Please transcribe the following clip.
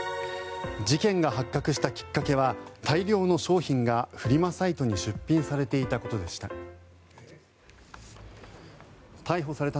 事件が発覚したきっかけは大量の商品がフリマサイトに出品されていたことでした。